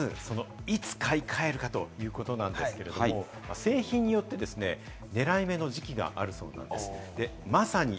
まず、いつ買い替えるかということなんですけれども、製品によって狙い目の時期があるそうなんです。